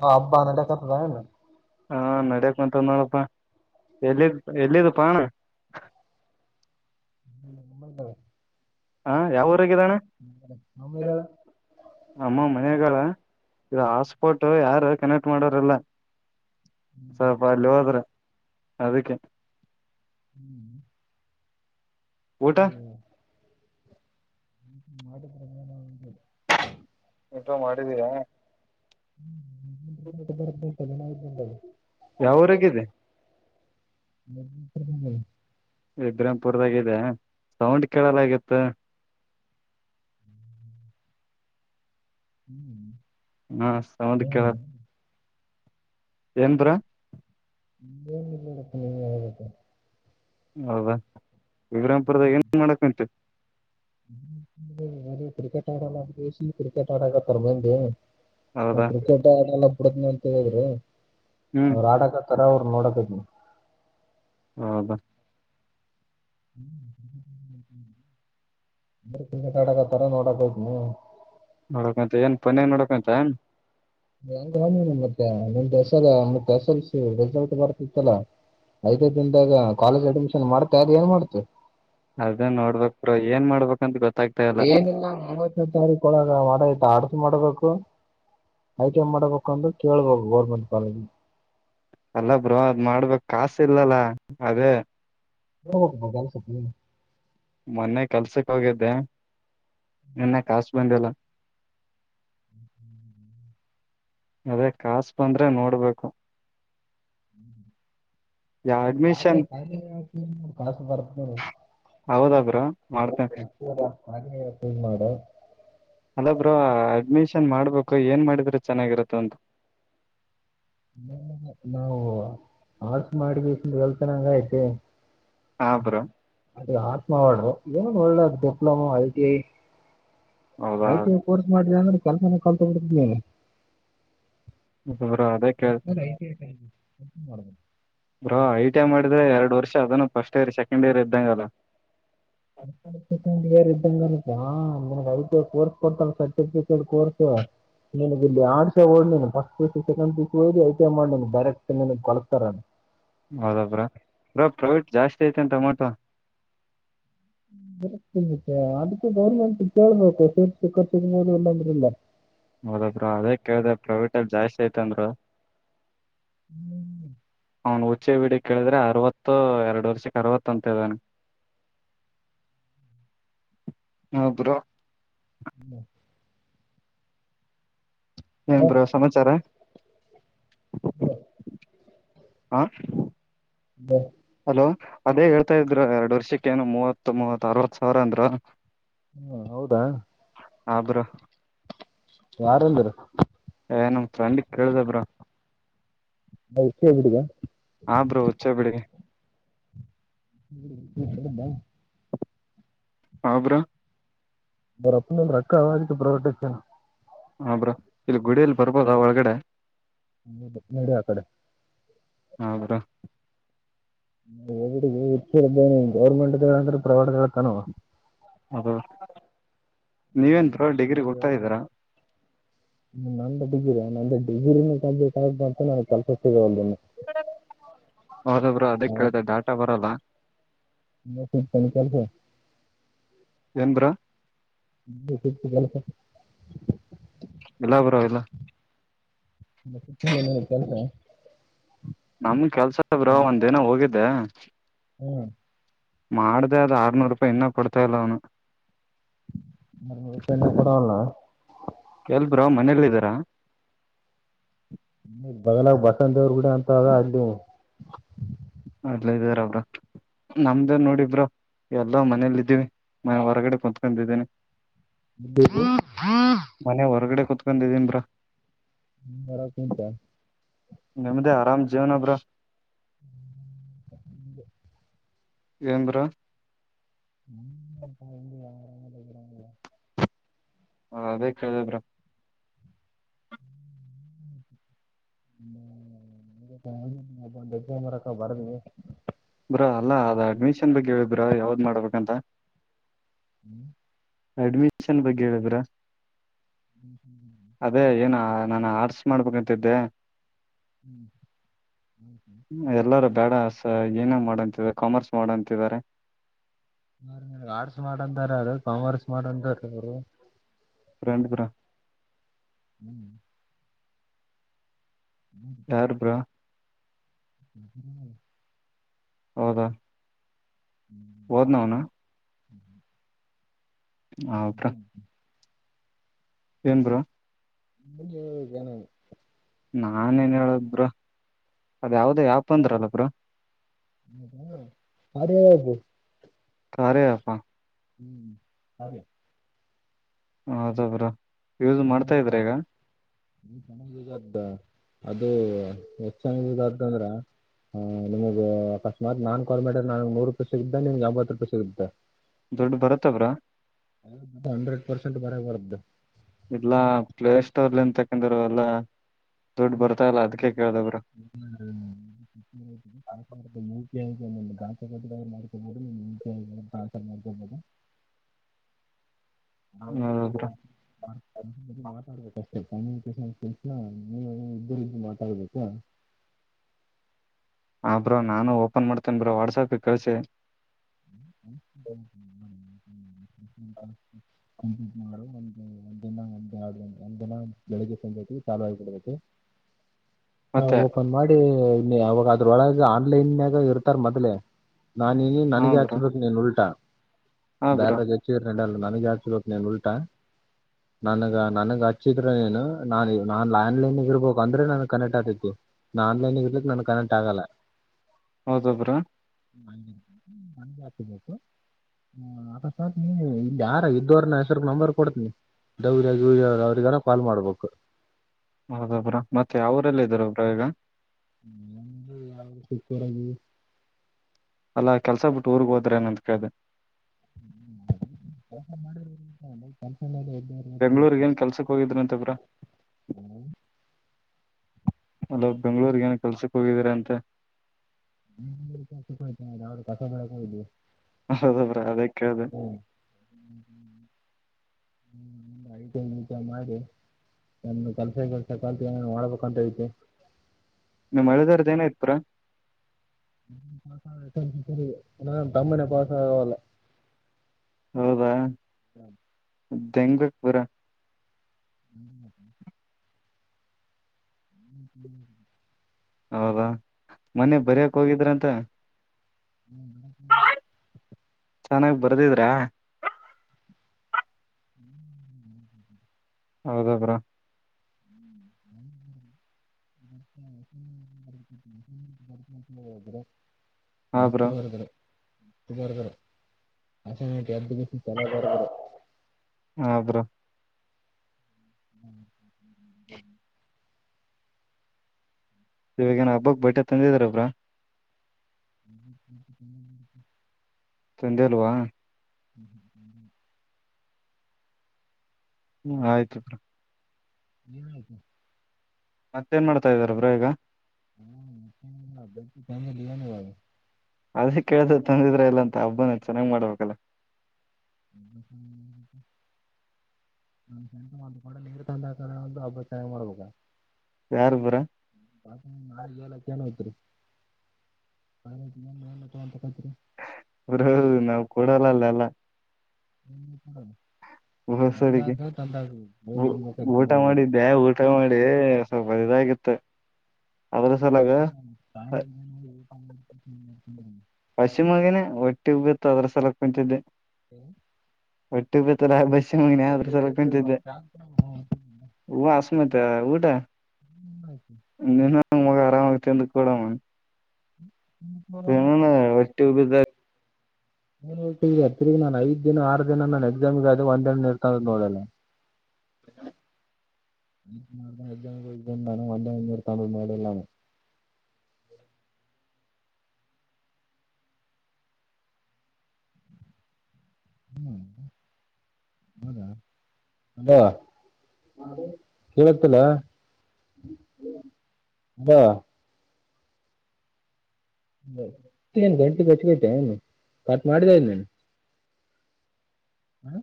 ಹ ಅಬ್ಬಾ ನಡೆ ಕಥದ ಹಾ ನಡ್ಯಕ್ ಕುಂತದ ನೋಡಪ್ಪಾ ಎಲ್ಲಿ ಎಲ್ಲಿದ್ದಪ್ಪಾ ಹ್ಮ ನಮ್ಮ ಹ ಯಾವಊರಾಗಿದೆ ಅಣ್ಣ ನಮ್ಮಿದ ನಮ್ಮ ಮನಾಗಾಲ ಈ ಹಾಸ್ಪೋರ್ಟ್ ಯಾರು ಕನೆಕ್ಟ್ ಮಾಡೋರಿಲ್ಲ ಸ್ವಲ್ಪ ಅಲ್ಲೆ ಹೋದ್ರೆ ಬಿಟ್ರೆ ಹ್ಮ್ ಊಟ ಹ್ಮ್ ಮಾಡಿದ್ [unintelligible] ಊಟ ಮಾಡಿದೀರಾ ಹ್ಮ್ [unintelligible] ಇನ್ ಐದು ದಿನದಲಿ ಯಾವೂರಾಗಿದೆ [unintelligible] [unintelligible] ಸೌಂಡ್ ಕೇಳದಗಿತು ಹ್ಮ್ ಹಾ ಸೌಂಡ್ ಕೆಲ್ಸ ದ್ರ [unintelligible] ಹೌದ ವಿಕ್ರಾಮಪುರದ ಏನ್ ಮಾಡಕ್ ಹೊಂಟೆ ಕ್ರಿಕೆಟ್ ಆಡಲ್ಲ [inaudible] ಕ್ರಿಕೆಟ್ ಆಡಕ [unintelligible] ಹ ಹೌದಾ ಕ್ರಿಕೆಟ್ ಆಡಲ್ಲ ಕುಡದನ್ನ ಅಂತ ಹೇಳಿದ್ರು ಹ್ಮ್ ಅವರ ಆಡಗಾ ಅತ್ತರ ಅವ್ರು ನೋಡಕ್ ಹೌದ ಹ್ಮ್ ಅಂದ್ರಾ ಕ್ರಿಕೆಟ್ಅಡಕ್ ಹತ್ರ ನೋಡಕ್ ಹೋಯಿತಿನಿ ನೋಡಕಂತ ಏನ್ ಪನೇ ನೋಡಕಂತ [unintelligible] ಸ ಮತ್ತೆ ಎಸ್ ಎಲ್ಸ ರಿಸಲ್ಟ್ ಬರ್ತಿತ್ತಲಾ ಐದ ದಿನದಾಗ ಕಾಲೇಜ್ ಅಡ್ಮಿಷನ್ ಮಾಡ್ತಾ ಅ ಏನ್ ಮಾಡ್ತು ಅದೇ ನೋಡ್ಬೇಕ್ ಬ್ರೊ ಏನ್ ಮಾಡ್ಬೇಕಂತ ಗೊತ್ತ ಏನಿಲ್ಲ ಮೂವತನ್ನೆ ತಾರೀಕ್ ಒಳಗ ಆಡೋಯಿತ ಆಡು ಮಾಡಬೇಕು ಐ ಟಿ ಐ ಮಾಡಬೇಕು ಅಂತ ಕೇಳ್ಬೇಕು ಗೋರ್ಮೆಂಟ್ ಕಾಲೇಜ್ಲ್ಲಿ ಅಲ್ಲ ಬ್ರೊ ಅದ್ ಮಾಡ್ಬೇಕ ಕಾಸ ಇಲ್ಲಲ್ಲ ಅದೇ [unintelligible] ಮೊನ್ನೆ ಕೆಲ್ಸಕ್ ಹೋಗಿದ್ದೆ ನನ್ನ ಕ ಬಂದಲ್ಲ ಇಲ್ಲ ಅದೇ ಕಾಸು ಬಂದ್ರೆ ನೋಡ್ಬೇಕು ಯಾವ ಖ ಅಡ್ಮಿಷನ್ ಖಿ ಕಾಸು ಬರ್ತಖ ಹೌದ ಬ್ರೋ ಮಾಡ್ತೇನೆ ಹ ಮಾಡ ಅಲ್ಲಬ್್ರ ಅಡ್ಮನ್ ನ್ ಮಾಡ್ಬೇಕು ಏನ್ ಮಾಡಿದ್ರೆ ಚೆನ್ನಾಗಿರುತ್ತ ಅಂತ ನ ನಾವು [unintelligible] ಆಳ್ಸ ಮಾಡಿಬೇಕಂದ ಹಲ್ತನಾಂಗ ಆಯ್ತೆ ಹಾ ಬ್ರೋ ಅದು ಆತ್ಮವಡು ಏನ್ ಒಳ್ಳದು ಡಿಪ್ಲೊಮಾ ಐತಿಐ ಹೌದಾ ಆಯ್ತ ಕೋರ್ಸ್ ಮಾಡ್ರ ಅಂಗ ಕೆಲ್ಸನ ಕಲ್ತಗಡ್ತೀನಿ ಹರ ಅದಕ್ಕೆ ಮಾಡ ಮಾಡಿದ್ರೆ ಎರಡ್ ವರ್ಷ ಅದನ್ನು ಫಸ್ಟ್ ಇಯರ್ ಸೆಕೆಂಡ್ ಇಯರ್ ಇ್ದಂ ಕಲ್ಲ ಂಡ್ ಇಯರ್ ಇದ್ದಂಗನ ನಗ್ ಐಟ ಕೋರ್ಸ್ ಕೊಡ್ತಲ್ಲ ಸರ್ಟಿಫಿಕೇಟ್ ಕೋರ್ಸ್ ನಿನ ಇಲ್ಲಿ ಆಡ್ಸ ಓ ಫಸ್ಟ್ ಪ ಸೆಕೆಂಡ್ ಪ ಓಿ ಐ ಟಿ ಐ ಮಾಡ ಡೈರೆಕ್ಟ್ ನಿನಗ್ಳತಾರ ಹೌದಬ್ರಾ ಬ್ರಾ ಪ್ರಾಫಿಟ್ ಜಾಸ್ತಿ ಐತೆ ಅಂತ ಅ ಮಾಡಟುವ ಅದಕ್ಕೆ ಗೌರ್ಮೆಂಟ್ ಕೇಳ್ಬೇಕು ಸೇರ್ಖರ್ಚ ಎಲ್ಲಂದಲ್ಲ ಹೌದಬ್ರ ಅದೇ ಕೇಳ್ದ ಪ್ರೈವೇಟ್ ಅಲ್ಲಿ ಜಾಸ್ತಿ ಐತಂದರು ಅವನ್ ಹುಚಿ ಬಿಡಿ ಕೇಳಿದ್ರೆ ಅರವತ್ತು ಎರಡು ವರ್ಷಕ್ ಅರವತ್ತು ಅಂತ ಇದ್ದಾನ ಹ ಏನ್ ಬ್ರೋ ಸಮಾಚಾರ ಹ ಹಾ ಹಲೋ ಅದೇ ಹೇಳ್ತಾ ಇದ್ರು ಎರಡು ವರ್ಷಕ್ಕೆ ೇನು ಮೂವತ್ತು ಮೂವತ್ ಅರವತ್ ಸಾವಿರ ಅಂದ್ರ ಹ್ಮ ಹೌದಾ ಹಬ್ರ ಯಾರಂದಾರ ಏ ನಮ್ ಚಂಡಿ ಕೇಳ್ದಬ್ರ ಇಷ್ಟೇ ಬಿಡಿಗೆ ಹಾ ಬ್ರೋ ಹಚ್ಚ ಬಿಡಿಿಗೆ ಬ ಹಬ್ರಾ ಬರಪ್ಪ ನಂದ್ರ ರಕ್ಕ ಅವಾಜಕ್ಕೆ ಪ್ರವಟಚ್ಚನ ಹಬ್ರಾ ಇಲ್ಲಿ ಗುಡಿಯಲ್ಲಿ ಬರ್ಬೋದ ಒಳಗಡೆ ನೀಡ ಮಡ ಆ ಕಡೆ ಹೌರ ೇ ಗೌರ್ಮೆಂಟ್ಂದ್ರೆ ಪ್ರವಟ್ ಕಾಣುವ [unintelligible] ಹದು [unintelligible] ಹ್ಮ್ರೆದ ವ ಮಾಡ ಹ್ಮ ನ [unintelligible] [unintelligible] [inaudible] ಡಿಗ್ರಿ ನ ಅಂದ್ರ ಡಿಗ್ರಿಿನ ಕಂಪ್ಲೀಟ್ ಆು ಅಂತ ನು ಕಸ [unintelligible] ಹೌದುಬ್ರೋಲಅದ ಕೇಳತ ಡಾಟ ಬರಲ್ಲ. ಮ ಸು ತ ಕೆಲ್ಸ ಏನ್ ಬ್ರೋ [inaudible] ಲ್ಲ [unintelligible] [unintelligible] ಇಲ್ಲ ಬ್ರೋ ಇಲ್ಲ ಮ ನ ಕತ [unintelligible] ನಮ್ಮ, - ಕೆಲ್ಸದ್ರ ಒಂದ ದಿನ ಹೋಗಿ, - ಅದಾ [inaudible] ಹ್ಮ್, ಮಾಡ್ದ ಆದ ಆರ್ನೂರು ರೂಪಾಯಿ ಇನ್ನ ಕೊಡ್ತಾಲ್ಲ ಅವ್ನು. ನೂರು ಕೊಡವಲ್ಲ - ಎಲ್ ಬ್ರೋ ಮನೇಲ್ಲ ಇದ್ದಾರಾ... ಬಲ ಬಸಂತವರು [inaudible] ಅಂತ ದಅಲ್ಲಿ., ಅಲ್ಲ ಇದಾರಬ್ರ ನಮ್ದೇ ನೋಡಿಬ್ರ ಎಲ್ಲೋ ಮನೇಲಿ ಇದ್ದೀವಿ. ಮನೆ ಹೊರಗಡೆ ಕುತ್ಕೊಂಡಿದ್ದೀನಿ. ಹ ಹಾ [inaudible] ತ್ ಬಂದಿದೀನ್ ಬ್ರೋ. ಹ್ಮರ ಕುಂತ [unintelligible] ನಿಮ್ದೇ ಆರಾಮ್ ಜೀವನಬ್ರೋ,, ಹ್ಮ್, ಎನ್ ಬ್ರೋ.. ಹ್ಮ್, [unintelligible] ಯ ಹರ [inaudible] ಹ ಅದೇ ಕಿದ್ರ [unintelligible] ಮರಕ್ಕ ಬರ್ದೆ [inaudible] ಬ್ರೋ, ಅಲ್ಲಾ ಅದ ಅಡ್ಮಿಷನ್ ಬಗ್ಗೆ ಹೇಳ ಬ್ರೋ ಯಾವ್ದ್ ಗಮಾಡ್ಬೇಕಂತ. ಹ್ಮ್ [inaudible] ಅಡ್ಮಿಷನ್ ಬಗ್ಗೆ ಹೇಳಿದ್ರ, - ಅದೇ ಏನಾ,,, ನಾನು ಆರ್ಟ್ಸ್ ಮಾಡ್ಬೇಕಂತಿದ್ದೆ., - ಹ್ಮ್, ಹ್ಮ್, ಹ್ಮ್,, ದಡಸ [unintelligible] ಏನ ಮಾಡಂತ ಕಾಮರ್ಸ್ ಮಾಡಂತಿದ್ದಾರೆ. ಆರ್ಟ್ಸ್ ಮಾಡಂತಾರ, ಅ ಕಾಮರ್ಸ್ ಮಾಡಂತಾರ ಅವರು- ಪ್ರೇಂಡ ಬ್ರೋ, ಹ್ಮ್, ಯಾರು? ಬ್ರೋ - ಹ ಹ್ಮ [inaudible] ಹೌದಾ,, ಹೋದ್ ನವನ ಹ್ಮ ಹಾ ಬ್ರೋ ಏನ್ ಬ್ರೋ ಹಂಗೆ ಇರೋದು ಜನ ನಾನ ನ್ ಹೇಳದು ಬ್ರೋ ಅದ ಯಾವ್ದ ಆ್ಯಪ್ ಅಂದ್ರಲ್ಲಬ್ರು [unintelligible] ಕಾರ್ಯ ಆಪ್ ಹಾ ಹ್ಮ್ ಕಾರ್ಯ ಹೌದ ಬ್ರೋ ಯೂಸ್ ಚೆನ್ನಾಗಿ ಮಾಡ್ತಾ ಇದ್ರ ಈಗ ಯೂಸ್ ಆಗ್ತದ ಅದು ಎಷ್ಟ ಚೆನ್ನಾಗಿ ಯೂಸ್ ಆಗ್ತದ ಹ್ ನಿಮಗ್ ಅಕಸ್ಮತ್ನ್ ಕಾಲ್ ಮಾಡಿದ್ರೆ ನನಗ್ ನೂರು ರೂಪಾಯಿ ಸಿಗಿದ್ದೆ ನಿಮಗ್ಗೆ ಎಂಬತ್ ರೂಪಾಯಿ ಸಿಗಿದ್ದೆ ದುಡ್ಡು ಬರುತ್ತಾ ಬ್ರೋ ಹಂಡ್ರೆಡ್ ಪರ್ಸೆಂಟ್ ಬರೆ ಬರುತ್ತಾ ಇಲ್ಲಾ ಪ್ಲೇ ಸ್ಟೋರ್ಲ್ಲಿನ್ ತಕಂದರು ಎಲ್ಲ ದುಡ್ಡು ಹ್ಮಾ ಬರ್ತಾ ಇಲ್ಲ ಅದಕ್ಕೆ ಕೇಳ್ದೆ ಬ್ರೋ ಹ ನಿ ದಾ ಮಾಡ್ಕೊಬೋದುಾನ್ರ್ ಮಾಡ್ಕೊಬೋುದು ಹಾ ಹೌದಾ ಬ್ರೋ ಮಾತಾಡ್ಬೇಕು ಕ್ಯುನಿಕೇಶನ್ ಕೆಸ ನೀವು ಇದ್ದರಿಂದ ಮಾತಾಡ್ಬೇಕಾ ಆಬ್ರೋ ನಾನು ಓಪನ್ ಮಾಡ್ತೇನ್ ಬ್ರೋ ವಾಟ್ಸಾಪ್ ಕಳಸಿ ಹ್ಮ ಹ್ಮ್ ಹ್ಮ ಪ್ಟ್ ಮಾಡು ಒಂದ ಒಂದಿನ ಒ ಒಂದ ದಿನ ಬೆಳಿಗ್ಗೆ ಸಂತಿ ಚಾಲ ಆಗಬಡ್ಬೇಕು ಹ ಮತ್ತೆ ಓಪನ್ ಮಾಡಿ ಅವಾಗ ಅದ್ರ ಒಳಗ ಆನ್ಲೈನ್ ಇರ್ತಾರ್ ಮೊದ್ಲೆ ನಾನ ನ ಹಾ ಬ್ರೋ ಚ ಬಕ ನೀ ಉಳ್ಳಾಟ ಹಾ ಬ್ರೋ ಬೇರೆ ಜೊತೆ ಇದ್ರೆ ನಡಿಯಲ್ಲ ನನಗ ಹಚ್ಬಬೇಕು ನೀನ್ ಉಲ್ಟಾ ನನ್ಗ ನನ್ಗ ಹಚ್ಚಿದ್ರೆ ನೀನು ನಾ ನಾನ್ ಆನ್ಲೈನ್ಗ ಇರ್ಬೇಕಕ್ ಅಂದ್ರೆ ನನ್ಗ್ ಕನೆಕ್ಟ್ ಆತೈತಿ ನಾ ಆನ್ಲೈನ್ಗ ಇರ್ಲಿಕ್ ನನ್ ಕನೆಕ್ಟ್ ಆಗಲ್ಲ ಹೌದ ಬ್ರಾ [unintelligible] ಹ್ಮ ನಗೆ ಆತಬೇಕು ಹ್ಮ ಆ ಸರ್ ಹ್ಮ್ ಇದ ಯಾರ ಇದ್ವರ ನ ಹೆಸರು ನಂಬರ್ ಕೊಡ್ತನಿ ಗೌರಿ ಅವ್ರಗಾರ ಕಾಲ್ ಮಾಡ್ಬೇಕು ಹೌದೊ ಬ್ರೋ ಮತ್ತೆ ಅವ್ರಲ್ಲ ಇದಾರೆ ಬ್ರೋ ಈಗ [unintelligible] ಅಲ್ಲಾ ಕೆಲ್ಸ ಬಿಟ್ಟು ಊರ್ಗ್ ಹೋದ್ರೆ ಏನಂತ ಕೇಳ್ದೆ [unintelligible] ಕೆಲ್ಸ ಮಾಡಿ ಬೆಂಗಳೂರಿಗೆ ಏನ್ ಕೆಲ್ಸಕ್ಕೆ ಹೋಗಿದ್ರಂತಾ ಬ್ರೋ ಅಲ್ಲ ಬೆಂಗ್ಗಳೂರ್ಗ ಏನ್ ಕಲ್ಸಕ್ ಹೋಗಿದೀರ ಅಂತೆ [unintelligible] ಹ್ಮ್ ಹೌದ ಬ್ರೋ ಅದೇ ಕೇಳ್ದೆ ಹ್ಮ್ ಐಟಂ ಗಿಟಂ ಮಾಡಿ [inaudible] ಏನರು ಕೆಲ್ಸ ಗಿಲ್ಸ ಕಲ್ತ್ ಏನಾನ ಮಾಡ್ಬೇಕಂತೈತೆ ನಿಮ್ಮ್ ಹಳಿ ದೇವ್ರುದ್ ಏನಾಯ್ತ್ ಬ್ರೋ ಪಾಸಾಗೈತು ಈ ಸರಿ ಇನ್ನ ನನ್ ತಮ್ಮನೆ ಪಾಸಾಗವಲ್ಲ ಹೌದಾ [unintelligible] ಹ್ಮ್ ಹ್ಮ್ ಹ್ಮ್ ಹೌದಾ ಮನ್ನೆ ಬರಿಯಾಕೋಗಿದ್ರಂತೆ ಹ್ಮ್ ಹ್ಮ್ ಹ್ಮ್ ಚೆನ್ನಾಗ್ ಬರ್ದಿದ್ರ ಹ್ಮ್ ಹ್ಮ್ ಹ್ಮ್ ಹೌದು ಬ್ರೋ [unintelligible] ಹಾ ಮಸ್ತ್ ಬ್ರೋ ಬರ್ದರು ಬರ್ದರು [unintelligible] ಚಲೋ ಬರದ್ರು ಹಾ ಬ್ರೋ [unintelligible] ಇವಾಗೇನ್ ಹಬ್ಬಕ್ಕೆ ಬಟ್ಟೆ ತಂದಿದೀರಾ ಬ್ರೋ [unintelligible] ತಂದ್ಯಾಲ್ವ ಹ್ಮ್ ಹ್ಮ್ ತಂದಿಲ್ಲ ಹ್ಮ್ ಆಯ್ತು ಬ್ರೋ ಏನಾಯ್ತು ಮತ್ತೇನ್ ಮಾಡ್ತಿದಿರ ಬ್ರೋ ಈಗ ಹ್ಮ್ ಏನಿಲ್ಲ ಬ್ರೋ [unintelligible] ಅದೇ ಕೇಳ್ದೆ ತಂದಿದ್ರ ಇಲ್ಲ ಅಂತ ಹಬ್ಬನ ಚೆನ್ನಾಗ್ಮಾಡ್ಬೇಕಲ್ಲ ಒಂದು ಕೂಡ ನೀರು ತಂದಕಾರಿಲ್ಲಾಂದ್ರು ಹಬ್ಬ ಚೆನಾಗ್ಮಾಡ್ಬೇಕ ಯಾರು ಬ್ರ ನಾಳೆ ಏಳಕ್ಕೇನೈತ್ರಿ [unintelligible] ಬ್ರೋ ನಾವ್ ಕೊಡಲ್ಲಲ್ಲ ಏನ್ನು ಕೊಡಲ್ಲ ಹೊಸ ಉಡುಗಿ ಹೋಗಿ ನಿಲ್ಬೇಕಲ್ಲಿ [inaudible] ಊಟ ಕುಂದ್ರದಲ್ಲಿ ಮಾಡಿದ್ದೆ ಊಟ ಮಾಡಿ ಸ್ವಲ್ಪ್ [unintelligible] [unintelligible] ಹ್ಮ್ ಅಸಿಮಗನ ಒಟ್ಟಿಗ್ಬಿತ್ತು ಅದ್ರ್ ಸಲ್ವಾಗ್ ಕುಂತಿದ್ದೆ ಹ್ಮ್ ಅಟ್ಟಿ ಬೆಯ್ತುನಗ್ಬೇಸ್ ನ್ನೆ ಆದ್ರು ಸಾಲ್ವಗ್ ನಿಂತಿದ್ದೆ ಉವಸ್ಮಿತ ಊಟ ಮಗ ಆರಾಮಗ್ ತಂದು ಕೊಡವ ಹ್ಮ್ ಹಣ ಒಟ್ಟ ಉಬ್ಬಿದ ಏನೇತಿ ತಿರಿಗಿ ನಾನು ಐದ್ ದಿನ ಆರು ದಿನ ನಾನ ಎಕ್ಸಾಮಗೆ ಆದ ಒಂದಣ ನೀರ್ತಂದದ್ದು ನೋಡಲ್ಲ ಈಸ್ದಿನ ನಾನು ಎಕ್ಸಾಮಿಗಿ ಹೊಗಿ ಬಂದು ನಾನು ಒಂ. ದಿನ ನೀರ್ತಂದದ್ದು ನೋಡಿಲ್ಲ ನಾನು ಹ್ಮ್ ಹದಾ ಅಲ ಕೇಳತಿಲ್ಲ ಅಲ ನ್ ಗಂಟಿಚ್ಬೈತೆನು ಕಟ್ ಮಾಡಿದ ನೀನ್ ಹ್ಮ